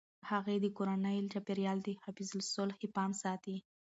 هغې د کورني چاپیریال د حفظ الصحې پام ساتي.